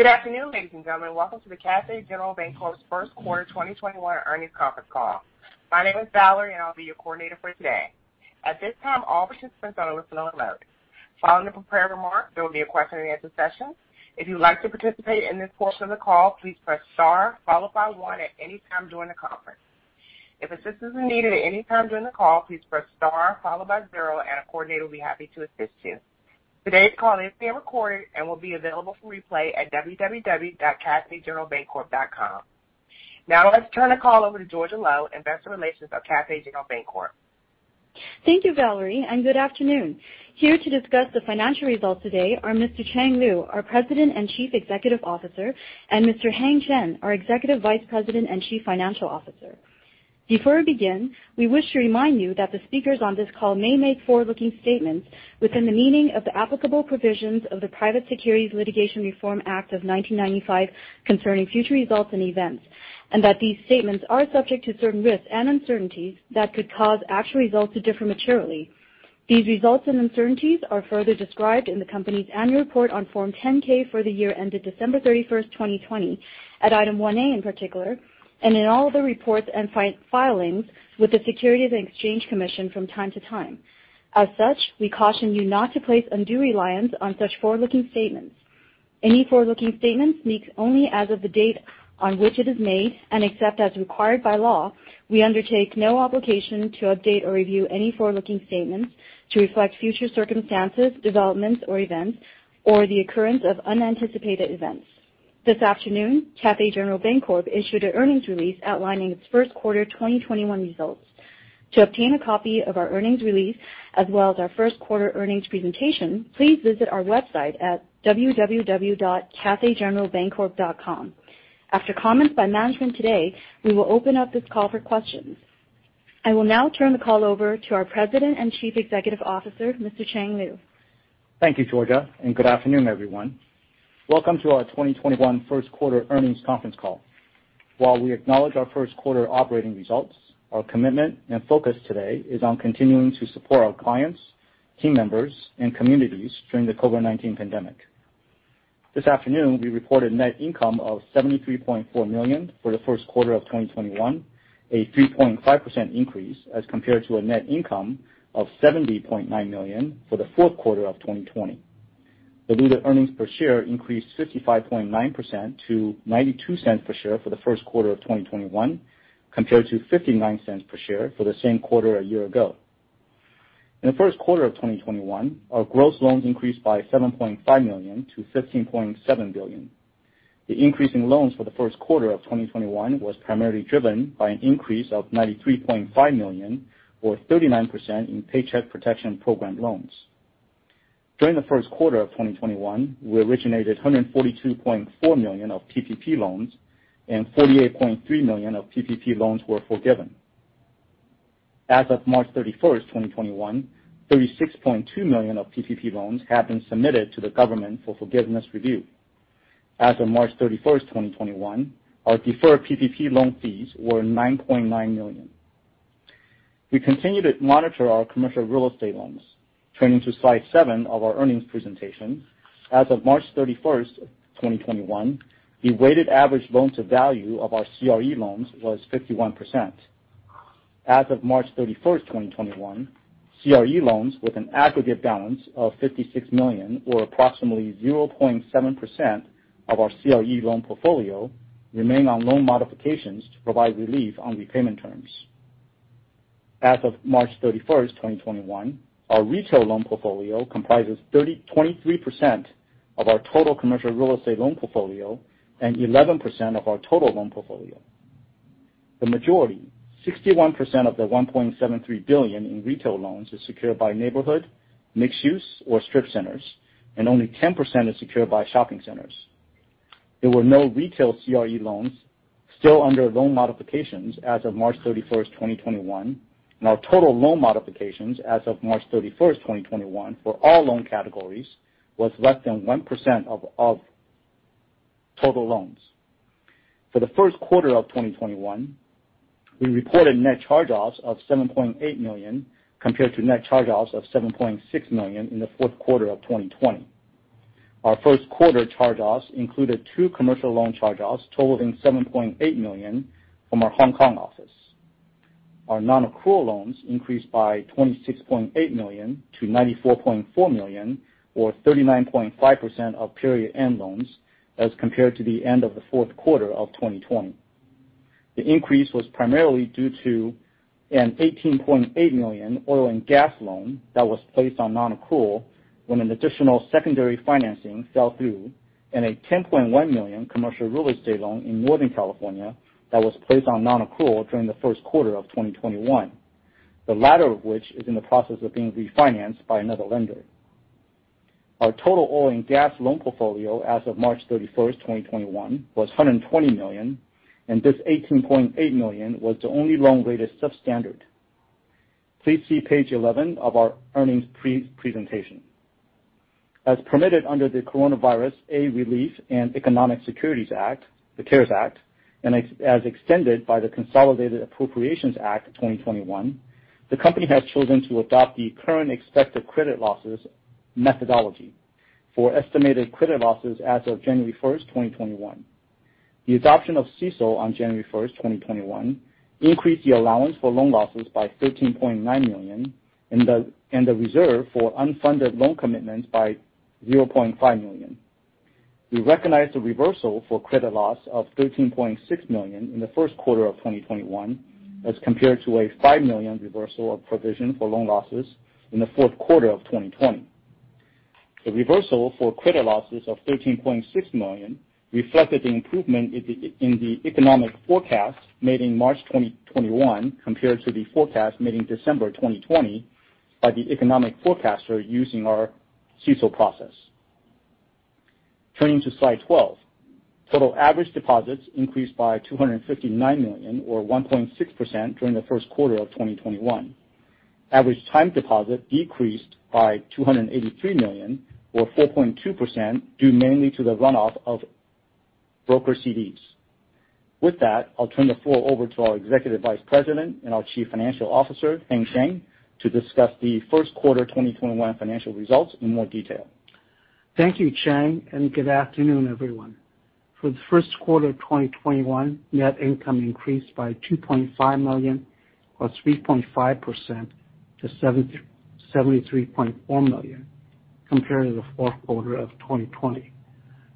Good afternoon, ladies and gentlemen. Welcome to the Cathay General Bancorp's first quarter 2021 earnings conference call. My name is Valerie, and I'll be your coordinator for today. At this time, all participants are on a listen-only mode. Following the prepared remarks, there will be a question and answer session. If you'd like to participate in this portion of the call, please press star followed by one at any time during the conference. If assistance is needed at any time during the call, please press star followed by zero, and a coordinator will be happy to assist you. Today's call is being recorded and will be available for replay at www.cathaygeneralbancorp.com. Now I'd like to turn the call over to Georgia Lo, Investor Relations of Cathay General Bancorp. Thank you, Valerie, and good afternoon. Here to discuss the financial results today are Mr. Chang Liu, our President and Chief Executive Officer, and Mr. Heng Chen, our Executive Vice President and Chief Financial Officer. Before we begin, we wish to remind you that the speakers on this call may make forward-looking statements within the meaning of the applicable provisions of the Private Securities Litigation Reform Act of 1995 concerning future results and events, and that these statements are subject to certain risks and uncertainties that could cause actual results to differ materially. These results and uncertainties are further described in the company's annual report on Form 10-K for the year ended December 31st, 2020 at Item 1A in particular, and in all other reports and filings with the Securities and Exchange Commission from time to time. As such, we caution you not to place undue reliance on such forward-looking statements. Any forward-looking statements speak only as of the date on which it is made, and except as required by law, we undertake no obligation to update or review any forward-looking statements to reflect future circumstances, developments or events, or the occurrence of unanticipated events. This afternoon, Cathay General Bancorp issued an earnings release outlining its first quarter 2021 results. To obtain a copy of our earnings release as well as our first quarter earnings presentation, please visit our website at www.cathaygeneralbancorp.com. After comments by management today, we will open up this call for questions. I will now turn the call over to our president and chief executive officer, Mr. Chang Liu. Thank you, Georgia. Good afternoon, everyone. Welcome to our 2021 first quarter earnings conference call. While we acknowledge our first quarter operating results, our commitment and focus today is on continuing to support our clients, team members, and communities during the COVID-19 pandemic. This afternoon, we reported net income of $73.4 million for the first quarter of 2021, a 3.5% increase as compared to a net income of $70.9 million for the fourth quarter of 2020. Diluted earnings per share increased 55.9% to $0.92 per share for the first quarter of 2021 compared to $0.59 per share for the same quarter a year ago. In the first quarter of 2021, our gross loans increased by $7.5 million to $15.7 billion. The increase in loans for the first quarter of 2021 was primarily driven by an increase of $93.5 million, or 39% in Paycheck Protection Program loans. During the first quarter of 2021, we originated $142.4 million of PPP loans and $48.3 million of PPP loans were forgiven. As of March 31st, 2021, $36.2 million of PPP loans have been submitted to the government for forgiveness review. As of March 31st, 2021, our deferred PPP loan fees were $9.9 million. We continue to monitor our commercial real estate loans. Turning to slide seven of our earnings presentation, as of March 31st, 2021, the weighted average loans to value of our CRE loans was 51%. As of March 31st, 2021, CRE loans with an aggregate balance of $56 million, or approximately 0.7% of our CRE loan portfolio remain on loan modifications to provide relief on repayment terms. As of March 31st, 2021, our retail loan portfolio comprises 23% of our total commercial real estate loan portfolio and 11% of our total loan portfolio. The majority, 61% of the $1.73 billion in retail loans is secured by neighborhood, mixed use, or strip centers, and only 10% is secured by shopping centers. There were no retail CRE loans still under loan modifications as of March 31st, 2021. Our total loan modifications as of March 31st, 2021 for all loan categories was less than 1% of total loans. For the first quarter of 2021, we reported net charge-offs of $7.8 million compared to net charge-offs of $7.6 million in the fourth quarter of 2020. Our first quarter charge-offs included two commercial loan charge-offs totaling $7.8 million from our Hong Kong office. Our non-accrual loans increased by $26.8 million to $94.4 million, or 39.5% of period end loans as compared to the end of the fourth quarter of 2020. The increase was primarily due to an $18.8 million oil and gas loan that was placed on non-accrual when an additional secondary financing fell through, and a $10.1 million commercial real estate loan in Northern California that was placed on non-accrual during the first quarter of 2021, the latter of which is in the process of being refinanced by another lender. Our total oil and gas loan portfolio as of March 31st, 2021, was $120 million, and this $18.8 million was the only loan rated substandard. Please see page 11 of our earnings presentation. As permitted under the Coronavirus Aid, Relief, and Economic Security Act, the CARES Act, and as extended by the Consolidated Appropriations Act, 2021, the company has chosen to adopt the current expected credit losses methodology for estimated credit losses as of January 1st, 2021. The adoption of CECL on January 1st, 2021 increased the allowance for loan losses by $13.9 million and the reserve for unfunded loan commitments by $0.5 million. We recognized the reversal for credit loss of $13.6 million in the first quarter of 2021 as compared to a $5 million reversal of provision for loan losses in the fourth quarter of 2020. The reversal for credit losses of $13.6 million reflected the improvement in the economic forecast made in March 2021 compared to the forecast made in December 2020 by the economic forecaster using our CECL process. Turning to slide 12. Total average deposits increased by $259 million or 1.6% during the first quarter of 2021. Average time deposit decreased by $283 million or 4.2%, due mainly to the runoff of brokered CDs. With that, I'll turn the floor over to our Executive Vice President and our Chief Financial Officer, Heng Chen, to discuss the first quarter 2021 financial results in more detail. Thank you, Chang, and good afternoon, everyone. For the first quarter of 2021, net income increased by $2.5 million or 3.5% to $73.4 million, compared to the fourth quarter of 2020.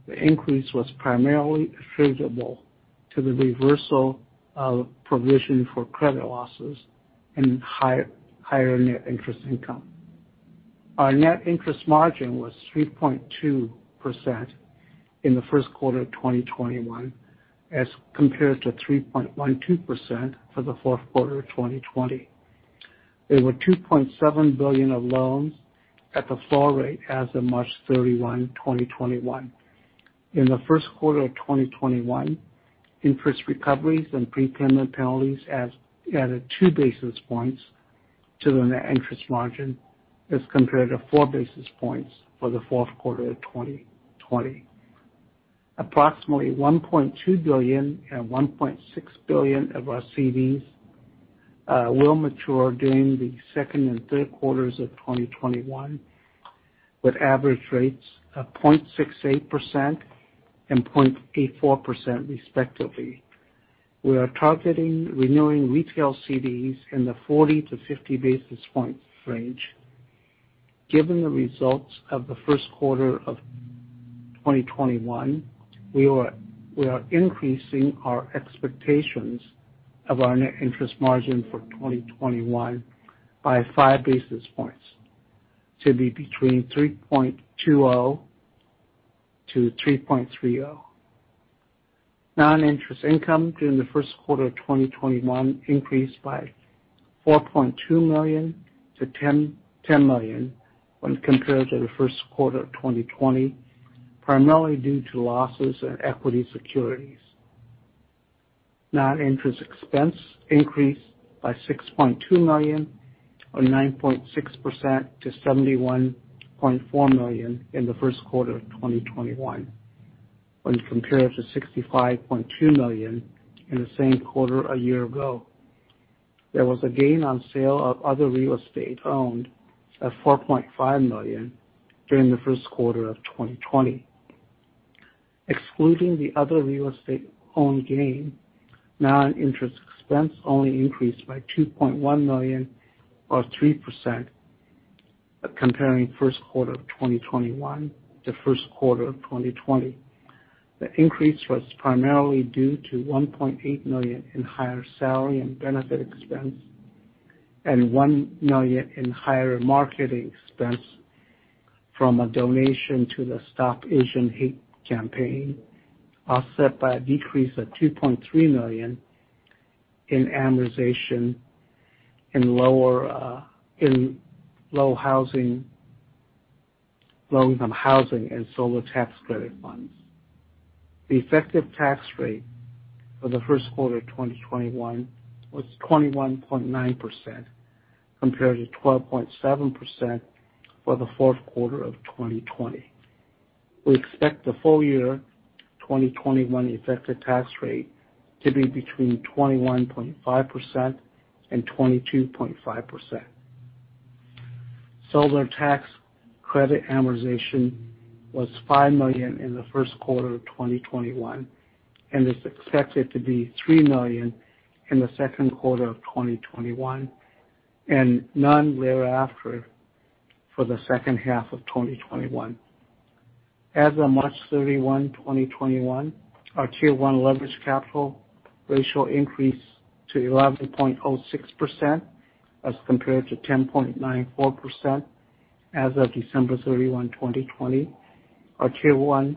The increase was primarily attributable to the reversal of provision for credit losses and higher net interest income. Our net interest margin was 3.2% in the first quarter of 2021 as compared to 3.12% for the fourth quarter of 2020. There were $2.7 billion of loans at the floor rate as of March 31, 2021. In the first quarter of 2021, interest recoveries and prepayment penalties added 2 basis points to the net interest margin, as compared to 4 basis points for the fourth quarter of 2020. Approximately $1.2 billion and $1.6 billion of our CDs will mature during the second and third quarters of 2021, with average rates of 0.68% and 0.84% respectively. We are targeting renewing retail CDs in the 40 basis points-50 basis points range. Given the results of the first quarter of 2021, we are increasing our expectations of our net interest margin for 2021 by five basis points to be between 3.20%-3.30%. Non-interest income during the first quarter of 2021 increased by $4.2 million to $10 million when compared to the first quarter of 2020, primarily due to losses in equity securities. Non-interest expense increased by $6.2 million or 9.6% to $71.4 million in the first quarter of 2021, when compared to $65.2 million in the same quarter a year ago. There was a gain on sale of other real estate owned of $4.5 million during the first quarter of 2020. Excluding the other real estate owned gain, non-interest expense only increased by $2.1 million or 3% comparing first quarter of 2021 to first quarter of 2020. The increase was primarily due to $1.8 million in higher salary and benefit expense and $1 million in higher marketing expense from a donation to the Stop AAPI Hate campaign, offset by a decrease of $2.3 million in amortization in low-income housing and solar tax credit funds. The effective tax rate for the first quarter of 2021 was 21.9%, compared to 12.7% for the fourth quarter of 2020. We expect the full year 2021 effective tax rate to be between 21.5% and 22.5%. Solar tax credit amortization was $5 million in the first quarter of 2021, and is expected to be $3 million in the second quarter of 2021, and none thereafter for the second half of 2021. As of March 31, 2021, our Q1 leverage capital ratio increased to 11.06% as compared to 10.94% as of December 31, 2020. Our Q1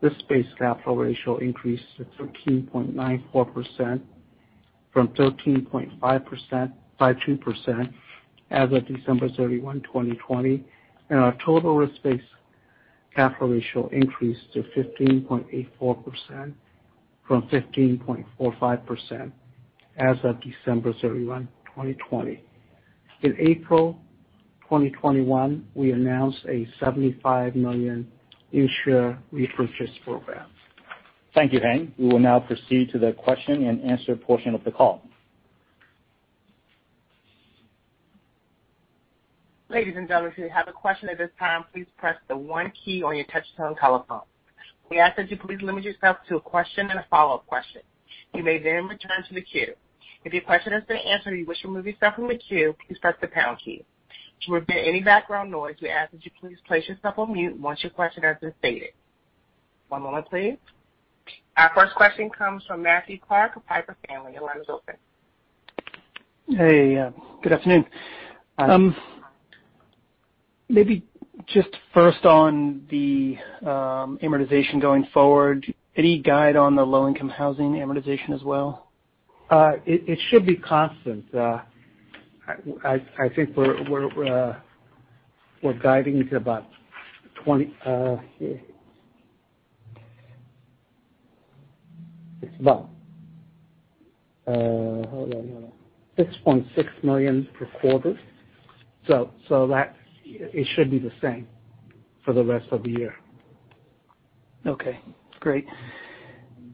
risk-based capital ratio increased to 13.94% from 13.52% as of December 31, 2020, and our total risk-based capital ratio increased to 15.84% from 15.45% as of December 31, 2020. In April 2021, we announced a $75 million share repurchase program. Thank you, Heng. We will now proceed to the question-and-answer portion of the call. Our first question comes from Matthew Clark of Piper Sandler. Your line is open. Hey, good afternoon. Hi. Maybe just first on the amortization going forward, any guide on the low-income housing amortization as well? It should be constant. I think we're guiding to about $6.6 million per quarter. That it should be the same for the rest of the year. Okay, great.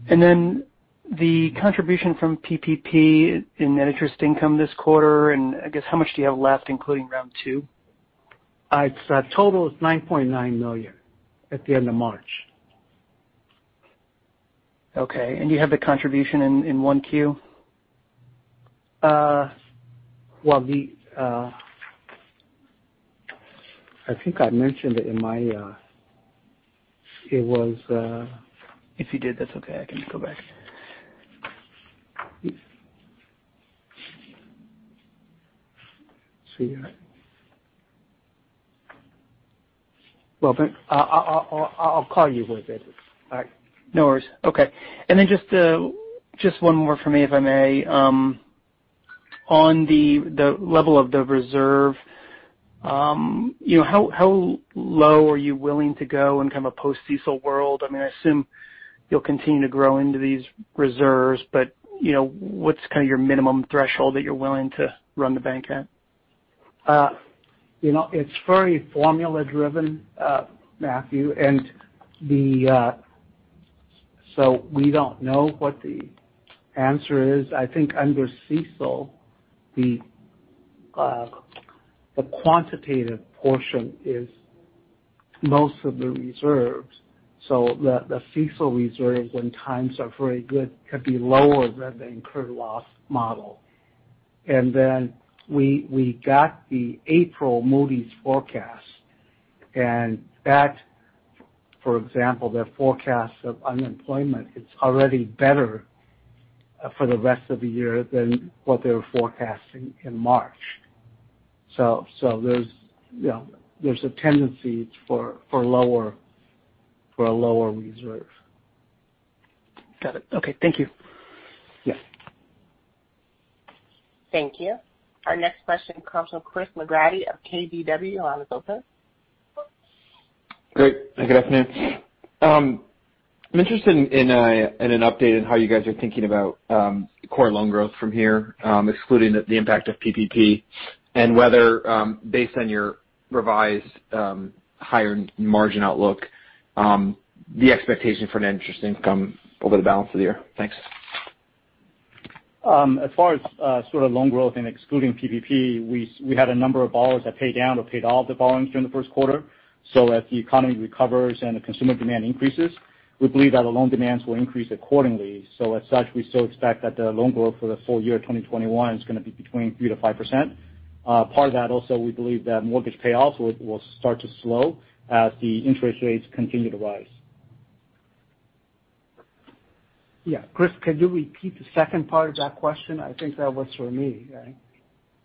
Then the contribution from PPP in net interest income this quarter, and I guess how much do you have left, including round two? Total is $9.9 million at the end of March. Okay. You have the contribution in 1Q? Well, I think I mentioned it in my. If you did, that's okay. I can go back. Let's see here. Well, I'll call you with it. All right. No worries. Okay. Just one more from me, if I may. On the level of the reserve, how low are you willing to go in kind of a post-CECL world? I assume you'll continue to grow into these reserves, but what's kind of your minimum threshold that you're willing to run the bank at? It's very formula-driven, Matthew, we don't know what the answer is. I think under CECL, the quantitative portion is most of the reserves, so the CECL reserves when times are very good can be lower than the incurred loss model. We got the April Moody's forecast, and that, for example, their forecast of unemployment, it's already better for the rest of the year than what they were forecasting in March. There's a tendency for a lower reserve. Got it. Okay. Thank you. Yeah. Thank you. Our next question comes from Chris McGratty of KBW. Your line is open. Great. Good afternoon. I'm interested in an update on how you guys are thinking about core loan growth from here, excluding the impact of PPP, and whether, based on your revised higher margin outlook, the expectation for net interest income over the balance of the year. Thanks. As far as sort of loan growth and excluding PPP, we had a number of borrowers that paid down or paid all the borrowings during the first quarter. As the economy recovers and the consumer demand increases, we believe that the loan demands will increase accordingly. As such, we still expect that the loan growth for the full year 2021 is going to be between 3%-5%. Part of that also, we believe that mortgage payoffs will start to slow as the interest rates continue to rise. Yeah. Chris, can you repeat the second part of that question? I think that was for me, right?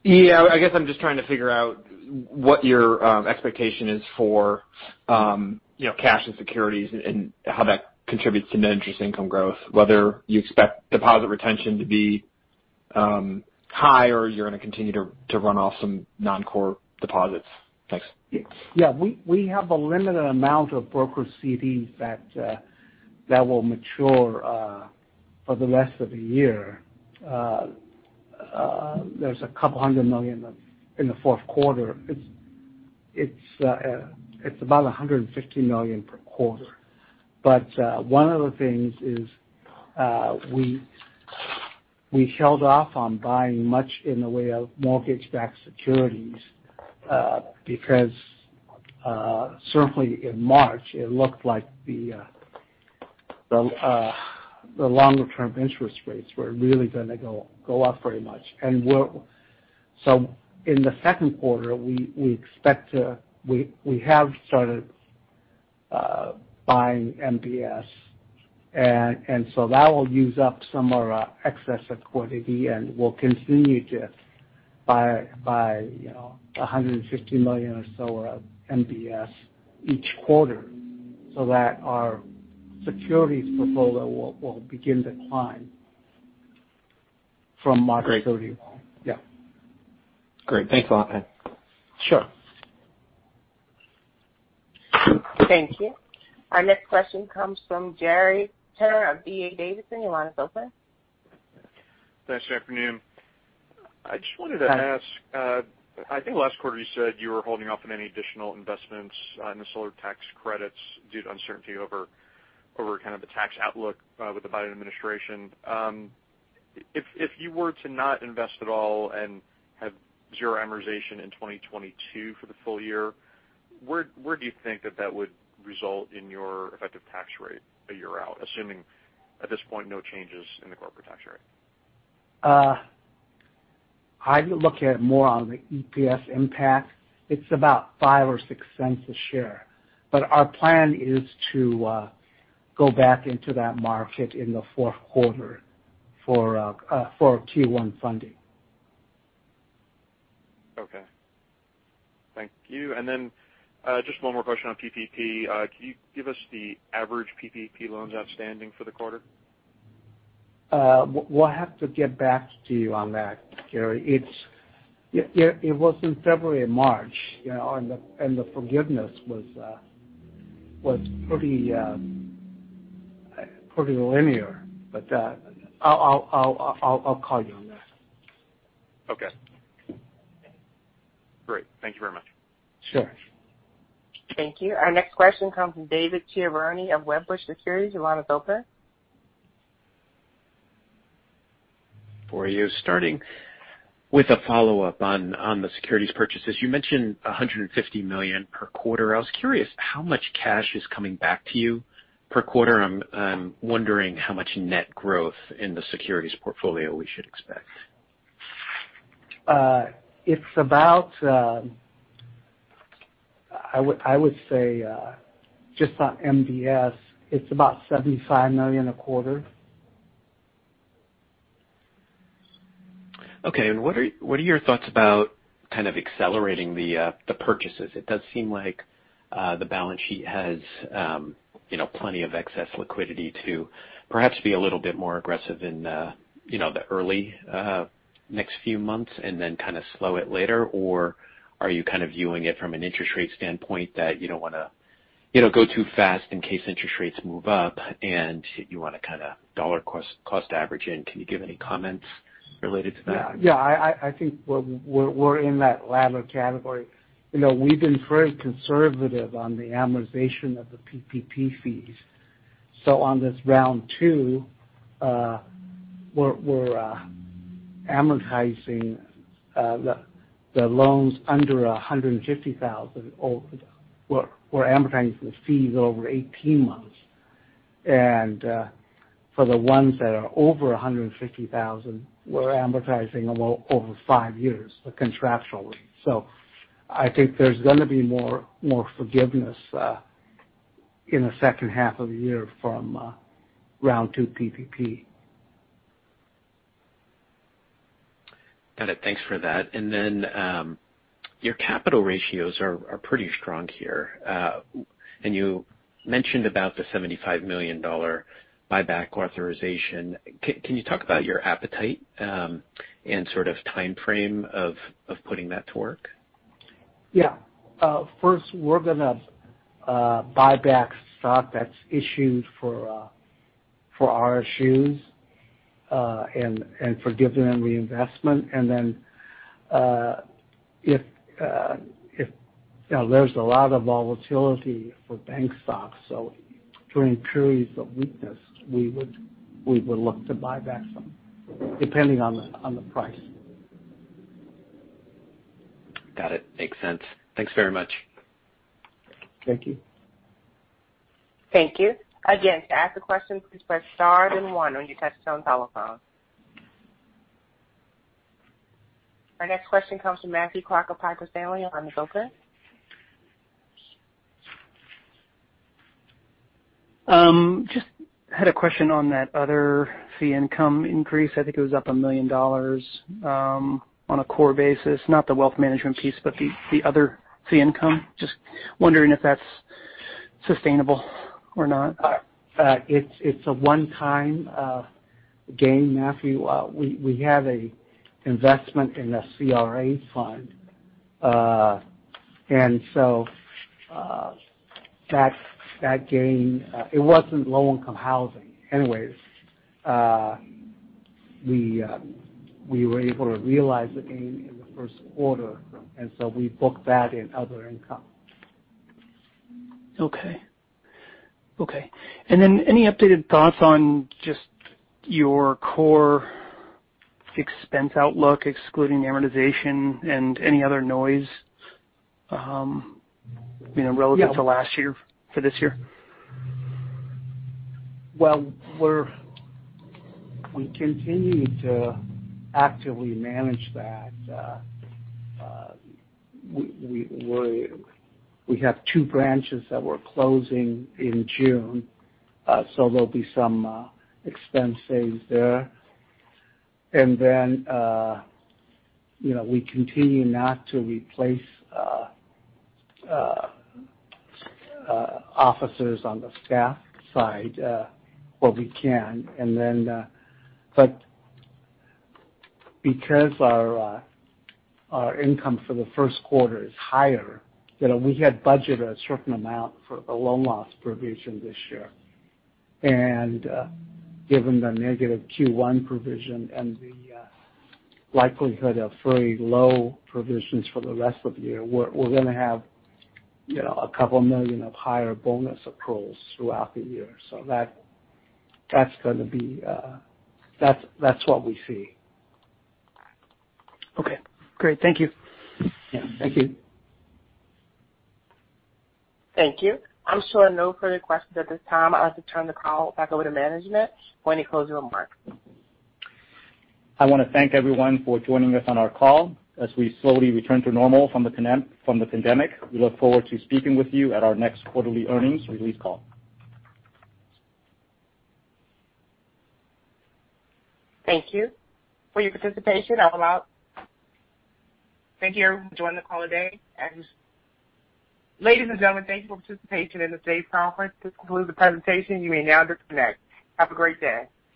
Yeah, I guess I'm just trying to figure out what your expectation is for cash and securities and how that contributes to net interest income growth, whether you expect deposit retention to be high, or you're going to continue to run off some non-core deposits. Thanks. We have a limited amount of brokered CDs that will mature for the rest of the year. There's a couple of $100 million in the fourth quarter. It's about $150 million per quarter. One of the things is we held off on buying much in the way of mortgage-backed securities, because certainly in March it looked like the longer-term interest rates were really going to go up very much. In the second quarter, we have started buying MBS, that will use up some more excess liquidity, we'll continue to buy $150 million or so of MBS each quarter so that our securities portfolio will begin to climb from March 31. Great. Yeah. Great. Thanks a lot, Heng. Sure. Thank you. Our next question comes from Gary Tenner of D.A. Davidson. Your line is open. Thanks. Good afternoon. I just wanted to ask, I think last quarter you said you were holding off on any additional investments in the solar tax credits due to uncertainty over the tax outlook with the Biden administration. If you were to not invest at all and have zero amortization in 2022 for the full year, where do you think that that would result in your effective tax rate a year out, assuming at this point, no changes in the corporate tax rate? I look at it more on the EPS impact. It's about $0.05 or $0.06 a share. Our plan is to go back into that market in the fourth quarter for Q1 funding. Okay. Thank you. Just one more question on PPP. Can you give us the average PPP loans outstanding for the quarter? We'll have to get back to you on that, Gary. It was in February and March. The forgiveness was pretty linear. I'll call you on that. Okay. Great. Thank you very much. Sure. Thank you. Our next question comes from David Chiaverini of Wedbush Securities. Your line is open. For you, starting with a follow-up on the securities purchases. You mentioned $150 million per quarter. I was curious how much cash is coming back to you per quarter. I am wondering how much net growth in the securities portfolio we should expect. It's about, I would say, just on MBS, it's about $75 million a quarter. Okay, what are your thoughts about kind of accelerating the purchases? It does seem like the balance sheet has plenty of excess liquidity to perhaps be a little bit more aggressive in the early next few months and then kind of slow it later. Are you kind of viewing it from an interest rate standpoint that you don't want to go too fast in case interest rates move up and you want to kind of dollar cost average in? Can you give any comments related to that? I think we're in that latter category. We've been very conservative on the amortization of the PPP fees. On this round two, we're amortizing the loans under 150,000. We're amortizing the fees over 18 months. For the ones that are over 150,000, we're amortizing them over five years contractually. I think there's going to be more forgiveness in the second half of the year from round two PPP. Got it. Thanks for that. Your capital ratios are pretty strong here. You mentioned about the $75 million buyback authorization. Can you talk about your appetite, and sort of timeframe of putting that to work? Yeah. First, we're going to buy back stock that's issued for RSUs, and for dividend reinvestment, and then if there's a lot of volatility for bank stocks, so during periods of weakness, we would look to buy back some, depending on the price. Got it. Makes sense. Thanks very much. Thank you. Thank you. Our next question comes from Matthew Clark of Piper Sandler. Your line is open. Just had a question on that other fee income increase. I think it was up $1 million on a core basis, not the wealth management piece, but the other fee income. Just wondering if that's sustainable or not. It's a one-time gain, Matthew. We have an investment in the CRA fund. That gain, it wasn't low-income housing. Anyways, we were able to realize the gain in the first quarter, and so we booked that in other income. Okay. Any updated thoughts on just your core expense outlook, excluding amortization and any other noise, relevant to last year for this year? Well, we continue to actively manage that. We have two branches that we're closing in June, there'll be some expense saves there. We continue not to replace officers on the staff side where we can. Because our income for the first quarter is higher, we had budgeted a certain amount for the loan loss provision this year. Given the negative Q1 provision and the likelihood of very low provisions for the rest of the year, we're going to have a couple of million of higher bonus accruals throughout the year. That's what we see. Okay, great. Thank you. Yeah. Thank you. Thank you. I'm showing no further questions at this time. I'd like to turn the call back over to management for any closing remarks. I want to thank everyone for joining us on our call as we slowly return to normal from the pandemic. We look forward to speaking with you at our next quarterly earnings release call. Thank you. For your participation, thank you, everyone, for joining the call today. Ladies and gentlemen, thank you for participation in today's conference. This concludes the presentation. You may now disconnect. Have a great day.